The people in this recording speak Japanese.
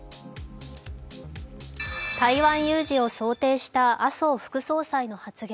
台湾有事を想定した麻生副総裁の発言。